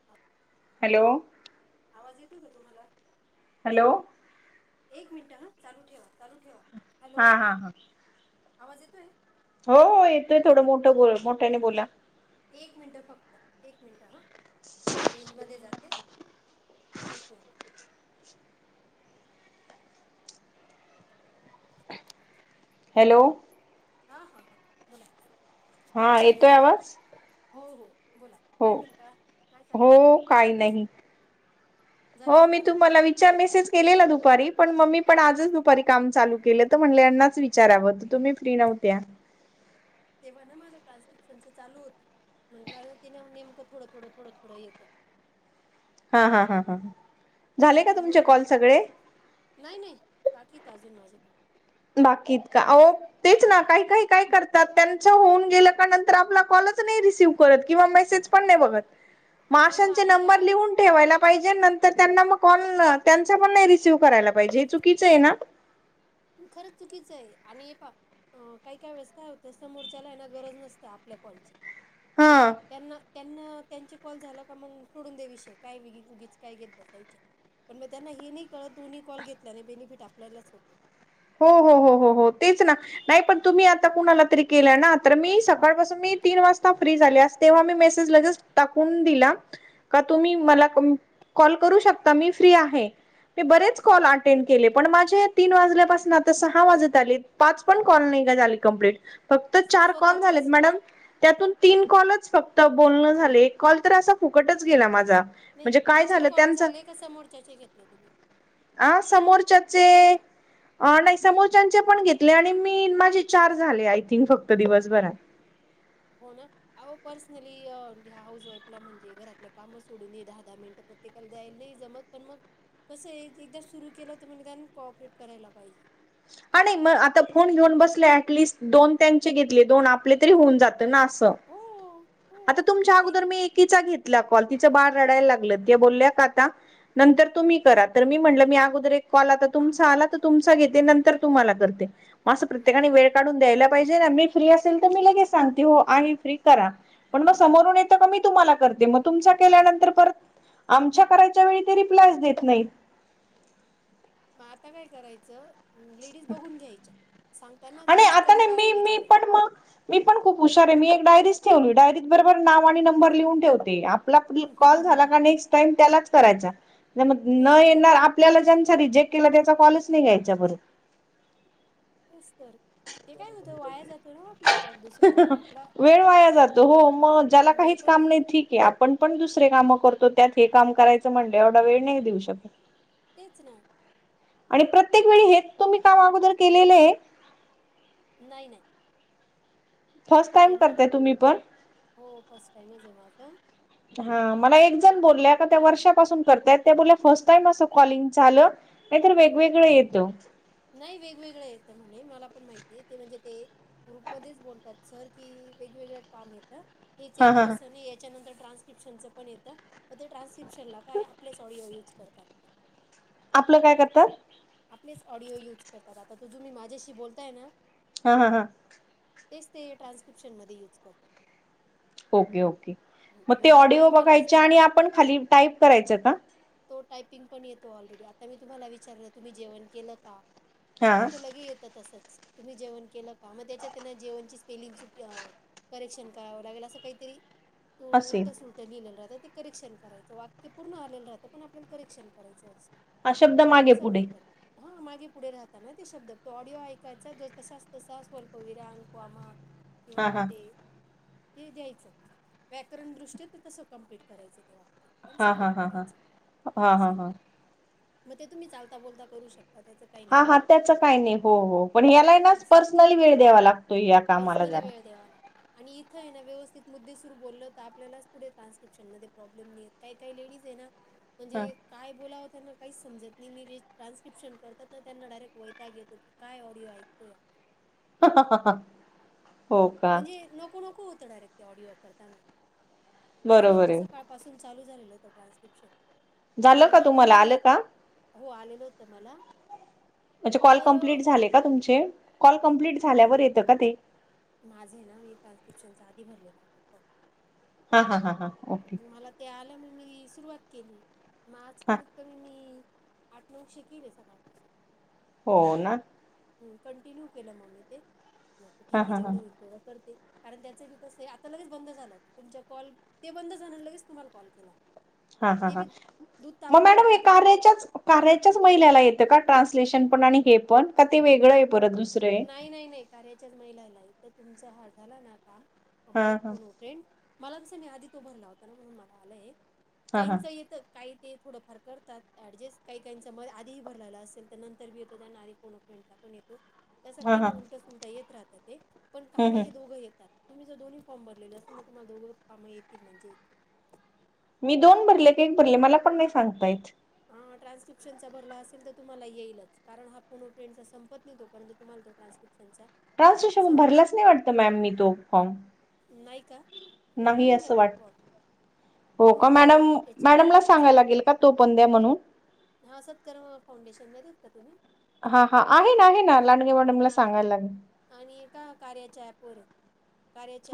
[unintelligible] Hello! आवाज येतोय का तुम्हाला? हॅलो! एक मिनटं हां चालू ठेवा चालू ठेवा हॅलो. हा हा हा आवाज येतोय? हो हो येतोय थोडं मोठं ब मोठ्याने बोला. एक मिनट फक्त एक मिनिट हा मी रेंजमध्येध्ये जाते. एक मिनट. हॅलो! हा हा ह बोला. हा येतोय आवाज? हो हो बोला. हो काय म्हणता काय हो चाललं काही नाही झालेत हो मी कॉल तुम्हाला वि विचार मेसेज केलेला दुपारी पण मम्मी पण आजच दुपारी काम चालू केलं म्हणलेनाच विचारावं तुम्ही त्रि नवत्या तेव्हा ना माझं ट्रान्स्टिकशनचं ल होतं म्हटलं ति नेमकं थोडं थोडं थोडं थोडं येत. हा हा हां ह झाले मग का तुमचे त्यामुळे मग कॉल सगळे. नाही नाही बाकी तर अजून माझे पा बाकी इतका आहो तेच ना काही काही काय करतात त्यांच्या होऊन गेल्या का नंतर आपला कॉलच नाही रिसिव्ह करत किंवा मेसेज. पण नाही बघत. [inaudible] माशांचे आधी नंबर काय लिहून ठेवायला पाहिजे नंतर त्यांना मग कॉल त्यां पण नाही रिसिव्ह करायला पाहिजे हे चुकीचं आहे ना खरंच चुकीचं आहे आणि हे पा अ काही, काही काय वेळेस काय होतय समोरच्याला गरज नसते आपल्या काॅलची हा त्यांना त्यांना त्यांचे कॉल झाला का मग सोडून दे विषय काय उगीच काय घेत बसायचे पण मग त्यांना हे नाही कळत दोन्ही कॉल घेतल्याने बेनिफिट आपल्यालाच होतो हो, हो, हो, हो हो तेच ना नाही पण तुम्ही आता कुणाला तरी केलं ना तर मी सकाळपासून मी तीन वाजता फ्री झाली तेव्हा मी मेसेज लगेच टाकून दिला तुम्ही मला कॉल करू शकता मी फ्री आहे म बरेच कॉल अटेंड केले पण माझे तीन वाजल्यापासून आता सहा वाजत आली पाच पण कॉल नाही का झाली कंप्लीट फक्त चार कॉल झालेत स्वतःचेच मॅडम त्यातून तीन कॉलच फक्त बोलणं झाले एक कॉल तर असा फुकटच गेला माझा नाही म्हणजे काय तुमचे झालं कॉल त्यांचा झाले का समोरच्याचे घेतला तुम्ही आ समोरच्याचे अ नाही समोरच्यांचे पण घेतले आणि मी माझे चार झाले आय थिंक फक्त दिवसभरात हो ना अहो पर्सनली हाऊस वाईफला म्हणजे घरातले काम सोडून दहा, दहा मिनिटं प्रत्येकाला द्यायला नाही जमत पण मग कसं एकदा सुरु केलं तर मग त्या कॉऑपरेट करायला पाहिजे हा नाही मग आता फोन घेऊन बसला ऍटलिस्ट दोन त्यांचे घेतले दोन आपले तरी होऊन जात ना अस हो आता हो तुमच्या एक अगोदर मी एकीचा घेत कॉल तिचं बाळ रडायला लागल त्या बोलल्या का आता नंतर तुम्ही करा तर मी म्हटलं मी अगोदर एक कॉल आता तुमचा आला तर तुमचा घेते नंतर तुम्हाला करते असं प्रत्येकाने वेळ काढून द्यायला पाहिजे ना मी फ्री असेल तर मी लगेच सांगते हो आहे फ्री करा पण मग समोरून येतं क मी तुम्हाला करते मग तुमचा केल्यानंतर परत आमच्या करायच्या वेळी ते रिप्लायज देत नाहीत मग आता काय करायचं लेडीज बघून घ्यायच्या सांगताना आणि मीच आता करू नाही का असे मी मी विचारायचे पण मग मी पण खूप हुशार आहे मी एक डारीच ठेवली डायरी बरोबर नाव आणि नंबर लिहून ठेवते आप कॉल झाला नेक्स्टाईम त्यालाच करायचा म तेच न येणारं आप आपल्याला ज्यांचा रिजेक्ट केला त्याचा कॉलच नाही घ्यायचा बरोर तेच तर ते काय होतं वाया जातो ना आपला कॉन दुसऱ्याला आपला वेळ वाया जातो हो मग ज्याला वेळ काहीच पण वा- काम नाही ठीक आहे आप आपण पण दुसरे कामं करतो त्यात हे काम करायचं म्हणलं एवढा वेळ नाही देऊ शकत तेच ना आणि प्रत्येक वेळी हेच तुम्ही काम अगोदर केलेले आहे नाही नाही फर्स्ट ते टाइम ना करताय तुम्ही पण हो फर्स्ट टाइमच आहे माझं हा मला एक जण बोलले का त्या वर्षापासून करतायत त्या बोलल्या फर्स्ट टाईम असं कॉलिंग झालं नाही तर हं. वेगवेगळं येतो नाही वेगवेगळ येतं म्हणे मला पण माहितीय ते म्हणजे ते ग्रुपमध्येच बोलतात सर की वेगवेगळ काम येत हेच हा येतं हा असं नाही याच्यानंतर ट्रान्स डीरिप्शनचं पण येत प ते ट्रान्स्क्रिप्शन ला काय आपलेच ऑडिओ युज करतात ते आपलं काय करतात आपलेच ऑडिओ युज करतात आता तुम्ही माझ्याशी बोलताय ना हा, हा, हा तेच ते ट्रान्स्क्रिप्शनमध्ये यूज करतात ओके, ओके हं. मग ते म्हणजे आता ऑडिओ तुम्हाला बघायचे आणि आपण खाली टाईप करायचं का? तो टायपिंग पण येतो ऑलरेडी आता मी तुम्हाला विचारलं तुम्ही जेवण केलं का? हा तिथं लगे येतं तसंच, तुम्ही जेवण केलं का, मग त्याच्यात त्यांना जेवणची स्पेलिंग सुटी करेक्शन करावं लागेल असं काहीतरी, त असे उलट सुलट लिहिलेलं राहतं ते करेक्शन करायचं वाक्य पूर्ण आलेलं राहतं, पण आपल्याला करेक्शन करायचं असतं. हा शब्द मागे पुढे. [inaudible] हा मागे पुढे राहता ना ते शब्द तो ऑडिओ ऐकायचा ज तसाच तसा स्वल्प विराम, कॉमा हा किंवा हा ते, ते द्यायचं व्याकरण दृष्ट्या ते तसं कम्प्लीट करायचं ते वाक्य. पण हा हा सबमिट हा हा करायचं, हा हा असं आहे. हा मग ते तुम्ही चालता बोलता करू शकता. त्याच हा, हा, त्याचं काही नाही, हो हो पण यालाही नाच असं पर्सनली वेळ द्यावा लागतो या कामाला पर्सनली जरा [inaudible] वेळ द्यावा लागतो आणि इथं आहे ना व्यस्थित मुद्दे सुरू बोलल तर, आपल्याला पुढे ट्रान्स्क्रप्शन मध्ये प्रॉब्लेम नाही येत. काही काही लेडीज आहे ना, हा. म्हणजे काय बोलावं त्यांना काहीच समजत नाही मी रे ट्रान्सलेशन करात ना त्यांना डायरेक्ट वैताग येतो की, काय ऑडिओ ऐकतो या. ह ह [inaudible] म्हणजे नको नको होतं डायरेक्ट ते ऑडिओ करताना. आज बरोबर नेमकं आहे सकाळ पासून चालू झालेलं होत ट्रान्स्क्रिप्शन, झालं मग का मला तुम्हाला मी आलं का हो आलेलं होतं मला, म्हणजे कॉल तर कमप्लीट झाले का तुमचे, कॉल कम्प्लीट झाल्यावर येतं का ते? माझं ना मी ट्रान्स्क्रिप्नचा आधी भरलेला होता फो हा हा हा हां ओके. त्या आल्या म मी सुरुवात केली म आज हा कमीत कमी मी आठ नौशे केले सकाळपासून, हो ना. हम्, कंटिन्यू केलं मग मी ते, ठीक हा आहे हा हा जेवढं होईल तेवढं करते. कारण त्याचे बी कस, आता लगेच बंद झालं, तुमच्या कॉल ते बंद झाल्या लगेच तुम्हाला कॉल केला. हा, हा, ते हा, बी दूध मग तापवत मॅडम हे होती तापवत कार्याच्याच कार्याच्याच महिलाला येतं का ट्रान्सलेशन पण आणि हे पण का ते वेगळं आहे परत दुसरं आहे? नाही, नाही नाही, कार्याच्याच महिलाला येत. तुमचा हा झाला ना का [inaudible] हा कं्प्लीट हा कोण हो टेंड मला तसं नाहीी आधी तो भरला होता ना म्हणून मला आलंय हा हा काहींच येत काही ते थोडंफार करतात ऍडजस्ट काही काहीचा म आधीही भरलालं असेल तर नंतर बी येतं त्यांना आधी फोन करता पण येतो, तसं हा काही हा नाही उलट सुलट येत राहत ते पण काम हम्म हे हम्म दोघं येतात. तुम्ही जर दोन्ही फॉम भरलेले असतील तुम्हाला दोन्ही काम येतील म्हणजे मी दोन भरले क एक भरले मला पण नाही सांगता येत. ट्रान्स्क्रिप्शनचा भरला असे तर तुम्हाला येईलच, कारण हा फोन फ्रेंड्स संपत संपत नाही तोपर्यंत तुम्हाला तो ट्रानस्क्रिप् प्नचा [unintelligible] ट्रान्सलेशन भरलाच नाही वाटतं मॅम मी तो फॉर्म नाही का? मग नाही भरून घ्या असं तो वाट फॉर्म. हो तुम्ही का, लो मॅडम याचे मॅडमला सांगाय सत लागेल का तो पण द्या म्हणून. हा सत्कर्म फाउंडेशनमध्ये मध्ये आहेत का तुम्ही? हा हा त्याच्यातून आहे ना, आहे ना, लांडगे मॅडमला आणि सांगायला लागेल. आणि एका कार्याच्या ऍपवर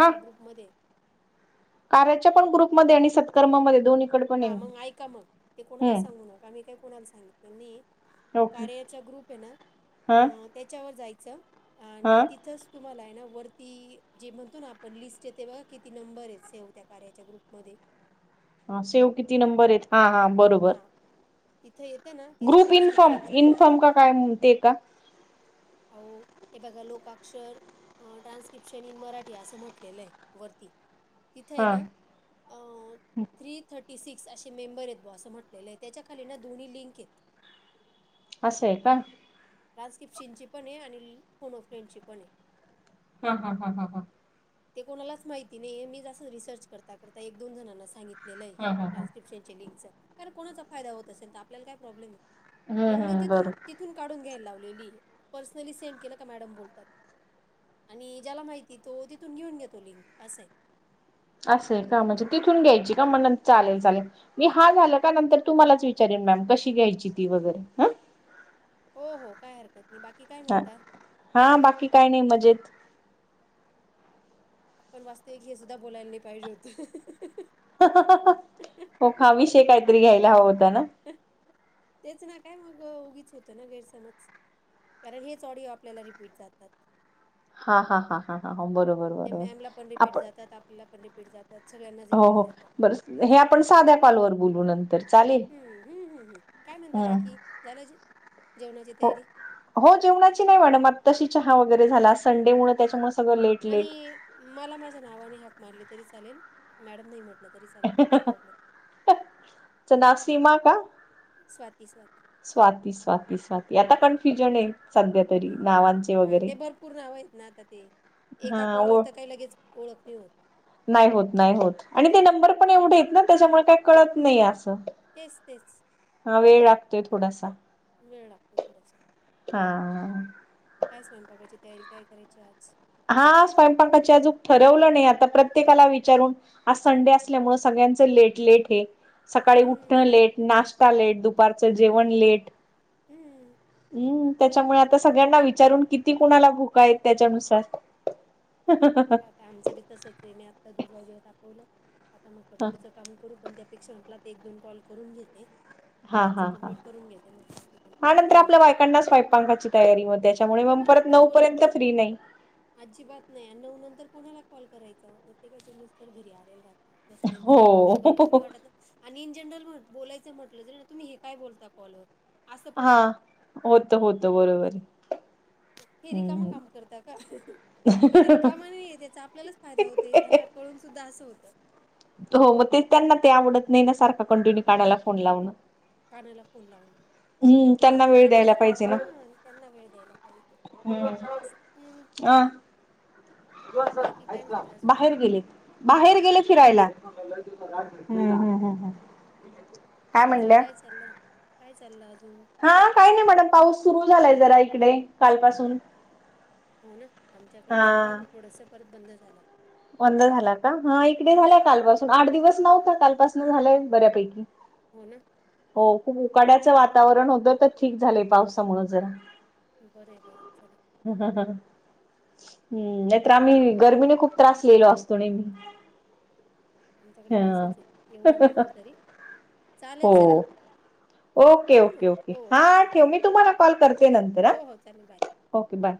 हा ग्रुपमध्ये कार्याच्या पण ग्रुपमध्ये आणि सत्कर्मामध्ये दोन कड हा मग ऐका मग ते कोणाला सांगू नका आ मी काही कोणाला सांगितले नाही. ओके कार्याचा ग्रुप आहे ना हा त्याच्यावर जायचं आणि हा तिथच तुम्हाला आहे ना वरती जे म्हणतो ना आपण लिस्ट येते बघ किती नंबर आहे सेव त्या कार्याच्या ग्रुपमध्येध्ये हा सेव किती नंबर आहेत. हा, हा, बरोबर. तिथे येतं ना तिथे ग्रुप इन्फॉर्म ट्रान्स्क्रिप्शन इन्फॉर्म का काय ते का आ ए पाघ लोका अक्षर [inaudible] ट्रान्स्क्रिप्शन इन मराठी असं म्हटलेलं आहे वरती. तिथं आहे हा ना, अ थ्री थर्टी सिक्स असे मेंबर येत. असं म्हटलेलं आहे त्याच्या खाली ना दो्ही लिंक आहेत. असं आहे का. टारनकिप्शिंची पण आहे आणि फोनो फ्रेंडची पण आहे. हा हा हा हा हा. ते कोणालाच माहिती नाही मी जस रिसर्च करता करता एक दोन जणांना सांगितले. लं हा हा हा ट्रान्स्क्रिप्शनच्या लिंकच कारण कोणाचा फायदा होत असेल तर आपल्याला काय प्रॉब्लेम आहे. हम्म मणून मी हम्म तिथून बरोबर तिथून काढून घ्यायला लावलेली पर्सनली सेंड केलं का मॅडम बोलतात. आणि ज्याला माहिती तो तिथून घेऊन घेतो लिंक असं आहे. असे का म्हणजे तिथून घ्यायची का म्हण चालेल चालेल. मी हा झालं का नंतर तुम्हालाच विचारेन मॅम कशी घ्यायची ती वगैरे ह हो हो काय हरकत नाही बाकी काय ह म्हणता. हा बाकी काय नाही मजेत आपण वाचत की हे सुद्धा बोलायला नाही पाहिजे होते. म हा विषय काहीतरी घ्यायला हवा होता ना. तेच ना काय मग उगीच होत ना गैरसमज. कारण हेच ऑडिओ आपल्याला रिपीट जातात. हा हा हा हा हा ह बरोब ते मॅमला पण रिपीट जातात आपल्याला पण रिपीट जातात. सगळ्यांना हो रिपीट हो जातातं बरं हे आपण साध्या कॉलवर बोलू नंतर चालेल. [inaudible] हम्म्म् हम् काय म्हणता हम्म. बाकी झालं [inaudible] जेवणाची हो तयारी हो जेवणाची नाही मॅडम आता तशी चहा वगैरे झाला संडेमुळे त्याच्यामुळे सगळं लेट लेट आणि मला माझ्या नावाने हाक मारले तरी चालेल मॅडम नाही म्हट आप तरी चाल का प्रॉब्लेम च नाव सीमा का? स्वाती स्वाती स्वाती स्वाती स्वाती आता कन्फ्युजन आहे. सध्या तरी नावांचे ह् हा वगैरे ते भरपूर नाव आहेत ना आता ते हा एका ओ कॉलवर तर काही लगेच ओळखणी होत. नाही होत नाही होत आणि ते नंबर पण एवढे आहेत ना त्याच्यामुळे काही कळत नाही असं. तेच तेच हा वेळ लागतोय थोडासा वेळ लागतो थोडासा. हा. काय स्वयंपाकायची तयारी काय करायची आज हा स्वयंपाकाची अजूक ठरवलं नाही आता प्रत्येकाला विचारून आज संडे असल्यामुळे सगळ्यांच लेट लेट हे सकाळी उठणं हं, लेट नाश्ता लेट दुपारचं जेवण लेट हम्म. हम्म त्याच्यामुळे आता सगळ्यांना विचारून किती कुणाला भूका आहेत त्याच्यानुसार अरे बाप आता आमचं बी तसच आहे मी आत्ता दुजवा घे दाखवलं आता म्हटलं पुढचं काम करू पण त्यापेक्षा म्हटला तर एक दोन कॉल करून घेते. हा हा आजचं कंप्लीट करून घेते मग बाकी हाा कंटिन्यू नंतर करू आपल्या म्हटलं नंतर बायकांना स् पायपांखाची तयारी म त्यामुळे मग परत नऊ पर्यंत फ्री नाही. आजीबात नाही नऊ नंतर कोणाला कॉल करायचां प्रत्येकाचे मिनिस्टर घरी आलेला राहत. बसलेले राहात आपले बरोबर हो नाही वाटत. आणि इन जनरल बोलायचं म्हटलं जरी ना तुम्ही हे काय बोलता कॉलवर असं पण हा होतं होत होतं बरोबर हे रिकामा हम्म काम करत का पण ते रिकामा नाही आहे त्याचा आपल्यालाच फायदा होत त्यांना पळून सुद्धा असं होतं. हो मग ते त्यांना ते आवडत नाही ना सारखा कंटिन्यू कानाला फोन लावण कानाला फोन लावले त्यांना आपण वेळ द्यायला आपल्यास पाहिजे ह ना त्यांना वेळ द्यायला पाहिजे. हम्म असं म्हणून अह. [unintelligible] बाकी काय आहेत का, म्हणता अजून बाहेर गेले? बाहेर गेले फिरायला हम्म हम्म अजून काय चाललं, काय चाललं अजून? हा काही नाही मॅडम पाऊस सुरू झालाय, जरा इकडे काल पासून. हो, ना आमच्याकडे झाला होता थोडसं परत बंद झाला. बंद झाला का हा इकडे उम्हम. झाला, काल पासून आठ दिवस नव्हता काल पासून झालंय बऱ्यापैकी. हो, ना. हो खूप उकाड्याचं वातावरण होतं, तर ठीक झालंय पावसामुळ जरा. बरं बरं चला. अहा हा हम्म! नाही तर आम्ही गर्मीने खूप [unintelligible] आमच्याकडे ह तसच आहे एवढं नाही, पण तरी चालेल हो चला. ओके! ठेव मग ओके ओके हो बाय हा ठेव मी बाय तुम्हाला, कॉल करतेय नंतर ह हो हो चालेल बाय ओके बाय!